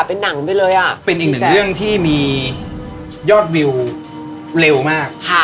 เป็นหนังไปเลยอ่ะเป็นอีกหนึ่งเรื่องที่มียอดวิวเร็วมาก